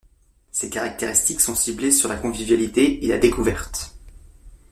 Ses caractéristiques sont ciblées sur la convivialité et la découverte.